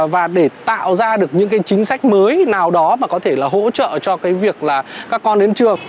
và để tạo ra được những cái chính sách mới nào đó mà có thể là hỗ trợ cho cái việc là các con đến trường